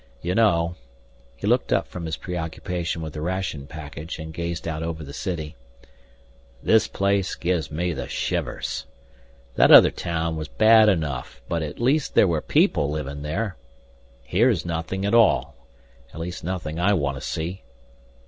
You know" he looked up from his preoccupation with the ration package and gazed out over the city "this place gives me the shivers. That other town was bad enough. But at least there were people living there. Here's nothing at all at least nothing I want to see."